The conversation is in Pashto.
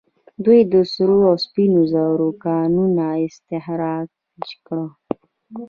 دوی د سرو او سپینو زرو کانونه استخراج کړل